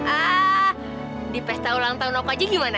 ah di pesta ulang tahun aku aja gimana